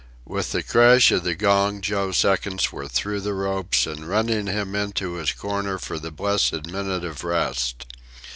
With the crash of the gong Joe's seconds were through the ropes and running him into his corner for the blessed minute of rest.